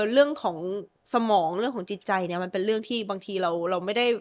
เรื่องของสมองเรื่องของจิตใจเนี่ยมันเป็นเรื่องที่บางทีเราไม่ได้